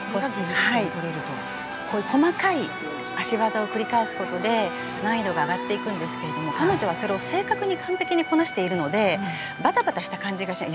細かい脚技を繰り返すことで難易度が上がっていくんですけど彼女は正確に完璧にこなしているのでバタバタした感じがしない。